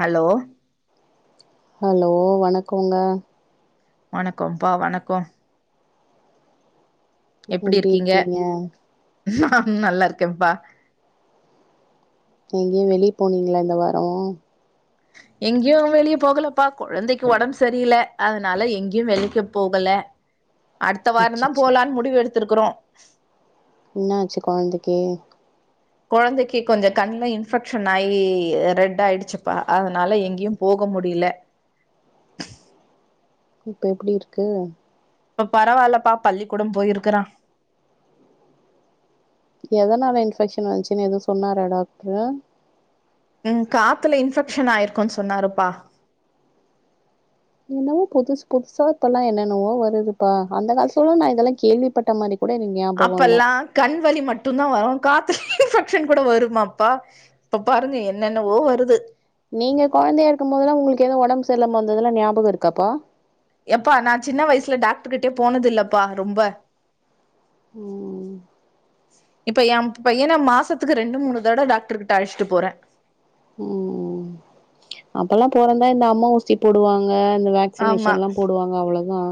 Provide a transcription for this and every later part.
Hello hello வணக்கோங்க வணக்கோம்ப்பா வணக்கோ எப்பிடி இருக்கீங்க நா நல்லா இருக்கேம்ப்பா எங்கயு வெளிய போனீங்ளா இந்த வாரோ எங்கேயு வெளிய போகலப்பா குழந்தைக்கு ஒடம் சரில்ல அதனால எங்கேயு வெளிக்க போகல உ [inaudible] அடுத்த வாரந்தா போலான் முடிவு எடுத்திருக்கிறோ என்னாச்சு கொழந்தைக்கு கொழந்தைக்கு கொஞ்ச கண்ல இன்ஃபெக்ஷன் ஆகி ரெட் ஆயிடுச்சுப்பா அதனால எங்கேயு போக முடியல இப்ப எப்படி இருக்கு இப்ப பரவால்லப்பா பள்ளிக்கூடம் போயிருக்கிறா எதனால இன்ஃபெக்ஷன் வந்துச்சுன் எதுவு சொன்னாரா டாக்ட்ரு ம் காத்துல இன்ஃபெக்ஷன் ஆயிருக்குன் சொன்னாருப்பா என்னவோ புதுஷ் புதுசா இப்பெல்லா என்னன்னவோ வருதுப்பா அந்த காலத்துலலா நா இதலா கேள்விப்பட்ட மாரி கூட என் அப்பெல்லா கண் வலி மட்டுந்தா வரு காத்து இன்ஃபெக்ஷன் கூட வருமாப்பா இப்ப பாருங்க என்னென்னவோ வருது நீங்க கொழந்தையா இருக்கும் போதுலா உங்களுக்கு எது ஒடம்பு சர்ல்லாம வந்ததுலா ஞாபக இருக்காப்பா எப்பா நா சின்ன வயிசுல டாக்டு கிட்டே போனது இல்லப்பா ரொம்ப ம் இப்ப எம் பையன மாசத்துக்கு ரெண்டு மூணு தட டாக்டர்ட்ட அழச்சிட்டு போறே ம் அப்பல்லாம் பொறந்தா இந்த அம்ம ஊசி போடுவாங்க இந்த ஆமா க்சினேஷன்லா போடுவாங்க அவ்ளோதா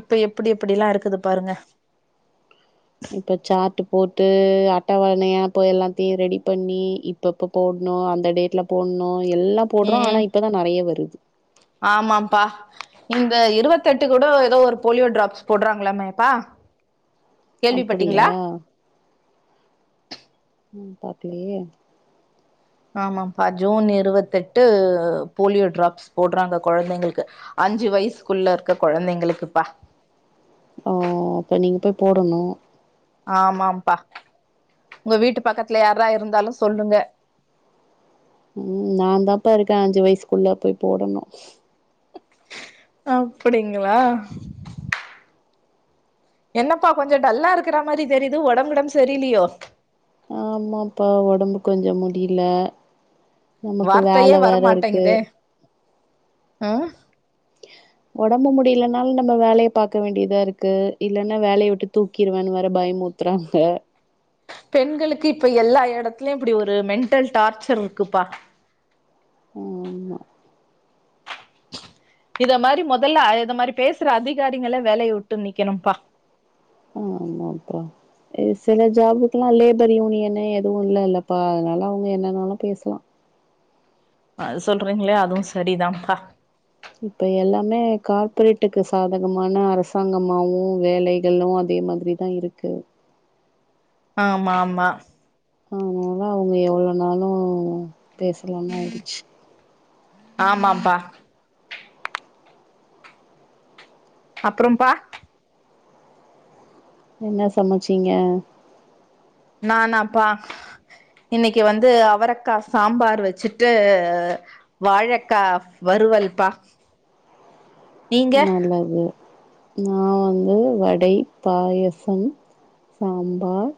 இப்ப எப்பிடி எப்பிடிலா இருக்குது பாருங்க இப்ப சாட்டு போட்டு அட்டவணையாப்ப எல்லாத்தையு ரெடி பண்ணி எப்பப்போ போட்ணு அந்த டேட்ல போட்ணு எல்லா போட்றோ ஆனா இப்பதா நெறைய வருது ஆமாம்ப்பா இந்த இருவத்து எட்டு கூட ஏதோ ஒரு போலியோ டிராப்ஸ் போட்றாங்களாமேப்பா அப்படியா ம் பாக்கலியே ஆமாம்ப்பா ஜூன் இருவத்தெட்டு போலியோ ட்ராப்ஸ் போடுறாங்க கொழந்தைங்களுக்கு அஞ்சு வயசுக்குள்ள இருக்க குழந்தைங்களுக்குப்பா ஓ அப்ப நீங்க போய் போடணு ஆமாம்ப்பா உங்க வீட்டு பக்கத்துல யாரா இருந்தாலு சொல்லுங்க ம் நா தான்ப்பா இருக்கே அஞ்சு வயசுக்குள்ள போய் போடணு அப்டிங்களா என்னப்பா கொஞ்சோ டல்லா இருக்ற மாரி தெரியிது ஒடம் கிடம்பு சரில்லையோ ஆமாம்பா ஒடம்பு கொஞ்ஜோம் முடியில உனக்கு வார்த்தையே வேல வேற இருக்கு வரமாட்டேங்குதே ம் ஒடம்பு முடியலனாலு நம்ம வேலைய பாக்க வேண்டியதா இருக்கு இல்லனா வேலய விட்டு தூக்கிறுவேன் வேற பயமு த்றாங்க பெண்களுக்கு இப்ப எல்லா எடத்திலயு இப்டி ஒரு மென்டல் டார்ச்சர் இருக்குப்பா ஆமா இத மாரி மொதல்ல இத மாரி பேசற அதிகாரிங்கள வேலய விட்டு நீக்கணும்ப்பா ஆமாம்பா அ சில ஜாப்குலா லேபர் யூனியனு எதுவூ இல்லல்லப்பா அனால அவங்க என்னென்னாலு பேசலாம் அது சொல்றீங்ளே அதுவு சரிதான்ம்பா இப்ப எல்லாமே கார்ப்ரேட்டுக்கு சாதகமான அரசாங்கமாவும் வேலைகளு அதே மாதிரி தா இருக்கு ஆமா ஆமா அதனால அவுங்க எவ்ளோநாலு பேசலானு ஆயிடுச்சு ஆமாம்பா அப்றம்பா என்ன சமச்சீங்க நானாப்பா இன்னெக்கி வந்து அவரக்கா சாம்பார் வச்சுட்டு வாழக்கா வருவல்பா நல்லது நா வந்து வடை பாயசம் சாம்பார்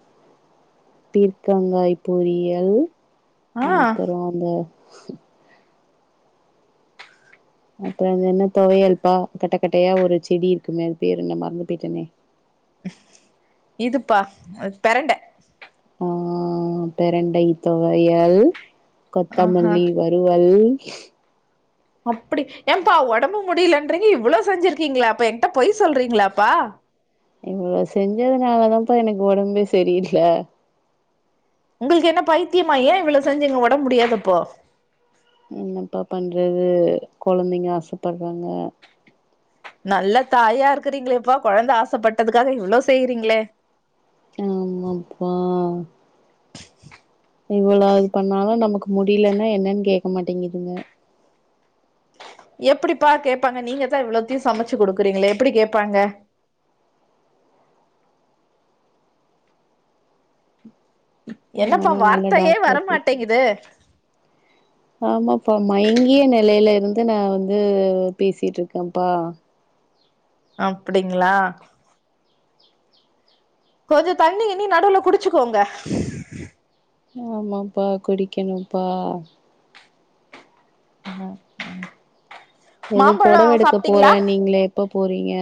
பீர்கங்காய் பொரியல் ஆ அப்பறோ அந்த அப்றோ அன் என்ன தொவயல்பா கட்டகட்டையா ஒரு செடி இருக்குமே அது பேரு என்ன மறந்து போய்ட்டனே இதுப்பா அ பெரண்ட ஆ பெரண்டை தொவையல் ஆஹா கொத்தமல்லி வ டுவல் அப்டி ஏம்ப்பா ஒடம்பு முடியலன்றீங்க இவ்ளோ செஞ்சிருகீங்ளா அப்ப என்ட்ட பொய் சொல்றீங்ளாப்பா இவ்ளோ செஞ்சதுனாலதாம்ப்பா எனக்கு ஒடம்பே செரியில்ல உங்ளுக்கு என்ன பைத்தியமா ஏன் இவ்ளோ செஞ்சீங்க ஒடம்பு முடியாதப்போ என்னப்பா பண்றது கொலந்தைங்க ஆசபட்றாங்க நல்ல தாயா இருக்கறீங்களேப்பா கொழந்த ஆசப்பட்டதுக்காக இவ்ளோ செய்றீங்ளே ஆமாப்பா இவ்ளோ இது பண்ணாலும் நமக்கு முடியிலனா என்னன் கேக்க மாட்டேங்குதுங்க எப்படிப்பா கேப்பாங்க நீங்கதா இவ்ளோத்தயு சமைச்சு குடுக்குறீங்ளே எப்புடி கேப்பாங்க என்னப்பா நானு நல்ல வார்த்தையே டாக்டர போய் வரமாட்டேங்குது ஆமாப்பா மயங்கிய நெலைல இருந்து நா வந்து பேசிட்ருக்கம்ப்பா அப்டிங்ளா கொஞ்சொ தண்ணி கிண்ணி நடுவுல குடிச்சுக்கோங்க ஆமாம்பா குடிக்கணும்ப்பா எதோ மாம்பழோ பொடவ எடுக்க சாப்ட்டீங்களா போறன்னீங்ளே எப்ப போறீங்க?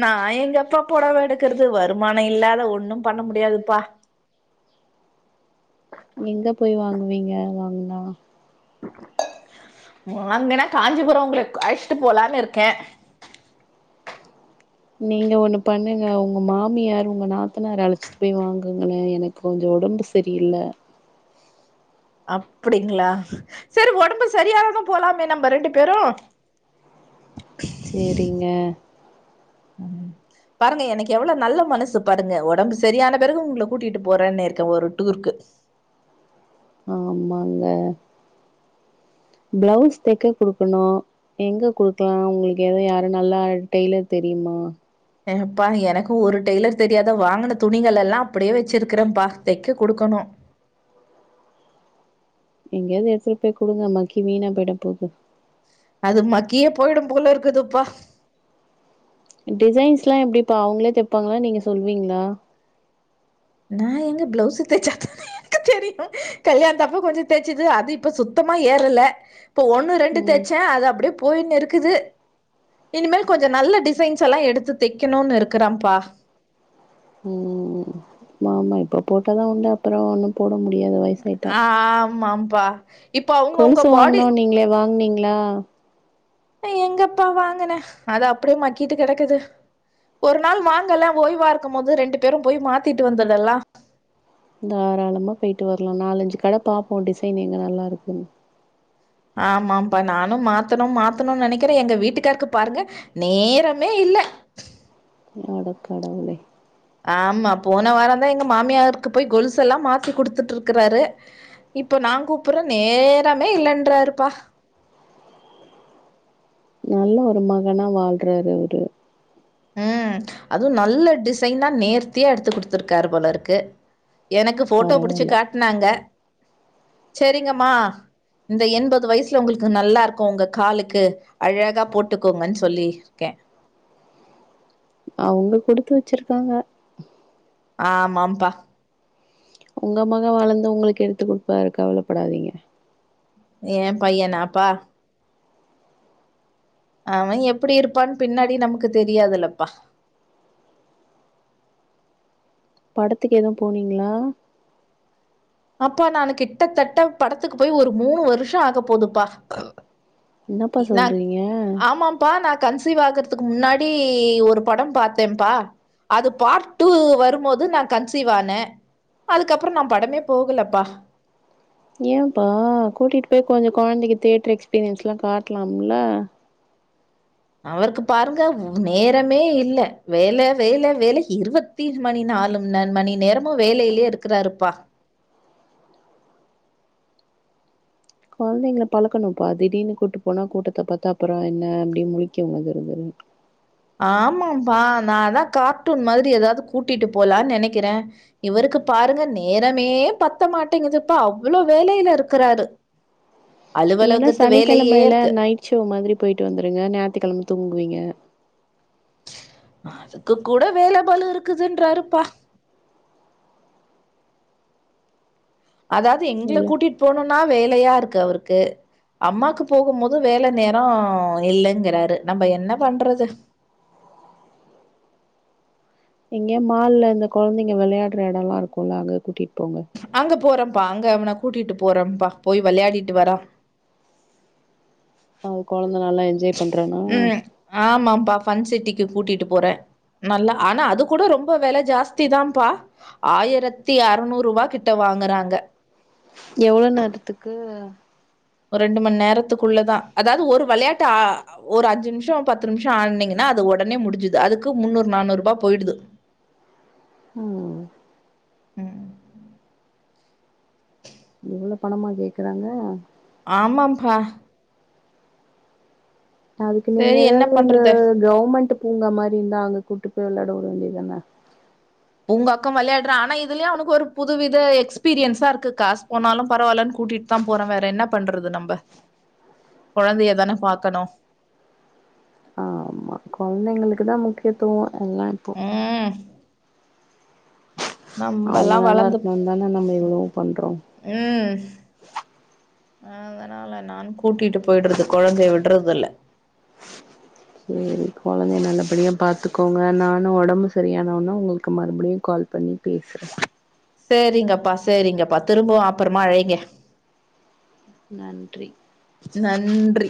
நா எங்க பா பொடவ எடுக்கறது வருமான இல்லாத ஒண்ணும் பண்ண முடியாதுப்பா எங்க போய் வாங்குவீங்க வாங்னா வாங்கனா காஞ்சிபுரொம் உங்களக் அழ்ஷ்ட்டு போலான்னு இருக்கேன் நீங்க ஒண்ணு பண்ணுங்க உங்க மாமியார் உங்க நாத்தனார் அலச்சிட்டு போய் வாங்குங்ளேன் எனக் கொஞ்சோ ஒடம்பு சரியில்ல அப்டிங்களா சரி ஒடம்பு சரியானது போலாமே நம்ம ரெண்டு பேரு சேரிங்க ம் பாருங்க எனக்கு எவ்வளோ நல்ல மனசு பாருங்க ஒடம்பு சரியான பிறகு உங்ள கூட்டிட்டு போறேன்னிருக்கே ஒரு டூருக்கு ஆமாங்க ப்ளவுஸ் தெக்க குடுக்கணு எங்க குடுக்கலா உங்களுக்கு எதா யாரு நல்லா டெய்லர் தெரியுமா ஏப்பா எனக்கு ஒரு டெய்லர் தெரியாத வாங்குன துணிகள் எல்லா அப்படியே வச்சிருக்கிற பா தைக்க குடுக்கணு எங்கயாவ்து எட்த்துட்டு போய் குடுங்க மக்கி வீணா போயிட போது அது மக்கியே போயிடு போல இருக்குதுப்பா டிசைன்ஸ்லா எப்டிப்பா அவுங்களே தெப்பாங்களா நீங்க சொல்வீங்ளா நா எங்க ப்ளவுஸ்சு தச்சாத்தா தெரியு கல்யாணாதப்ப கொஞ்சோ தேச்சது அது இப்ப சுத்தமா ஏறல இப்ப ஒண் ரெண்டு ம் தெச்சே அது அப்புட்யே போயின்னிருக்குது இனிமேல் கொஞ்சோ நல்ல டிசைன்ஸெலா எடுத்து தெக்கணுனு இருக்கிறம்ப்பா ம் மாமா இப்ப போட்டா தா உண்ட அப்புறோ ஒன்னு போட முடியாது வயசாயிட்டா ஆமாப்பா இப்ப அவங்கவுங்க கொலுசு பாடி வாங்கனுன்னீங்களே வாங்னீங் லா நா எங்கப்பா வாங்குனே அது அப்டியே மக்கிட்டு கெடக்குது ஒரு நாள் வாங்கலே ஓய்வா இருக்குமோது ரெண்டு பேரு போய் மாத்திட்டு வந்துடுலா தாராளம போயிட்டு வர்லா நாலஞ்சு கட பாப்போ டிசைன் எங்க நல்லா இருக்குன் ஆமாம்ப்பா நானு மாத்தனு மாத்தணு நனைக்கிற எங்க வீட்டுக்காருக்கு பாருங்க நேரமே இல்ல அடக் கடவுளே ஆமா போன வாரந்தா எங்க மாமியாருக்கு போய் கொலுசெல்லா மாத்தி குடுத்துட்டுருக்குறாரு இப்ப நா கூப்புறே நேரமே இல்லன்றாருப்பா நல்ல ஒரு மகனா வாழ்றாரு அவரு ம் அதுவு நல்ல டிசைனா நேர்த்தியா எடுத்து குடுத்துருக்காரு போலருக்கு எனக்கு ஃபோட்டோ புடிச்சு பரவால்ல காட்னாங்க சரிங்கம்மா இந்த எண்பது வயசுல உங்களுக்கு நல்லா இருக்கு உங்க காலுக்கு அழகா போட்டுக்கோங்கன் சொல்லியிருக்கே அவங்க குடுத்து வச்சிருக்காங்க ஆமாம்பா உங்க மக வளந்து உங்களுக்கு எடுத்துக் குடுப்பாரு கவலப்படாதீங்க ஏ பையனாப்பா அவே எப்டி இருப்பான் பின்னாடி நமக்கு தெரியாதுல்லப்பா படத்துக் எதுவு போனீங்களா அப்பா நானு கிட்டத்தட்ட படத்துக்கு போய் ஒரு மூணு வருஷோ ஆக போதுப்பா என்னப்பா நா சொல்றீங்க ஆமா ப்பா நா கன்சீவ் ஆகுறதுக்கு முன்னாடி ஒரு படோ பாத்தேன்ப்பா அது பார்ட் டூ வரும்போது நா கன்சீவ் ஆனே அதுக்கப்புறோ நா படமே போகுலப்பா ஏம்பா கூட்டிட்டு போய் கொஞ்சோ கொழந்தைக்கு தேட்டர் எக்ஸ்பீரியன்ஸ்லா காட்லாம்ல அவருக்கு பாருங்க நேரமே இல்ல வேல வேல வேல இருவத் த்தீஸ் மணி நாலும் மணி நேரமு வேலையிலே இருக்குறாருப்பா கொழந்திங்க பழக்கணும்ப்பா திடீனு கூட்டு போனா கூட்டத்த பாத்தா அப்புறோ என்ன அப்டி முழிக்கு அது ஒருமாரி ஆமாம்பா நா அதா கார்ட்டூன் மாதிரி எதாவ்து கூட்டிட்டு போலான் நெனைக்கிறே இவருக்கு பாருங்க நேரமே பத்த மாட்டேங்கதுப்பா அவ்வளோ வேலைல இருக்கிறாரு இல்லன்னா அலுவலகத்து வேலையே சனிக்கெழமையில இருக்கு. நைட் சிவ் மாதிரி போயிட்டு வந்துருங்க ஞாயித்துக்கிழம தூங்குவீங்க அதுக்கு கூட வேல பலு இருக்குதுன்றாருப்பா அதாவ்து எங்கள இல்ல கூட்டிட்டு போனும்ன்னா வேலையா இருக்கு அவருக்கு அம்மாக்கு போகும் போது வேல நேரோ இல்லங்கறாரு நம்ம என்ன பண்றது எங்கேயாவது மால்ல இந்த கொழந்தைங்க வெளையாட்ற எடலா இருக்குல்ல அங்க கூட்டிட்டு போங்க அங்க போறோம்ப்பா அங்க அவனா கூட்டிட்டு போறேன்ப்பா போயி விளையாடிட்டு வரோ அவுங்க கொழந்தை நல்லா என்ஜாய் பண்றான்னா ம் ஆமாப்பா ஃபன் சிட்டிக்கி கூட்டிட்டு போறே நல்ல ஆனா அது கூட ரொம்ப வெல ஜாஸ்தி தான்ப்பா ஆயிரத்தி அறுநூறுவா கிட்ட வாங்கறாங்க எவ்ளோ நேரத்துக்கு ஒரு ரெண்டு மண் நேரத்துக்குள்ளதா அதாவ்து ஒரு வெளயாட்டு ஆ ஒரு அஞ்சி நிமிஷோ பத்து நிமிஷோ ஆடுனீங்கன்னா அது உடனே முடிஞ்சிது அதுக்கு முன்னூறு நானூறுபா போயிடுது ம் ம். இவளோ பணமா கேக்கறாங்க ஆமாப்பா அதுக்கு நீங்க சரி என்ன ஏதாவ்து இந்த பண்றது கவ்ர்மெண்ட் பூங்கா மாரி இருந்தா அங்க கூட்டி போயி விளையாட வுட வேண்டியதுதானே உங்க அக்கம் விளையாடுறா ஆனா இதுலயே அவனுக்கு ஒரு புதுவித எக்ஸ்பீரியன்ஸா இருக்கு காசு போனாலு பரவால்லன்னு கூட்டிட் தா போறே வேற என்ன பண்றது நம்ப கொழந்தைய தான பாக்கணு குழந்தைங்களுக்கு தா முக்கியத்துவோ எல்லா இப்போ ம் அவுங்க நம்பல்லா நல்லா வளந்து இருக்கணுன் தானே நம்ம இவ்ளவு பண்றோ ம் அதனால நா கூட்டிட்டு போயிட்றுது கொழந்தைய விட்றது இல்ல செரி குழந்தைய நல்லபடியா பாத்துக்கோங்க நானு ஒடம்பு சரியானோன்னே உங்களுக்கு மறுபடியு கால் பண்ணி பேசு சேரிங்கப்பா சேரிங்கப்பா திரும்பவு அப்புறமா அழைங்க நன்றி ன்றி